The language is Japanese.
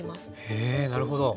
へえなるほど。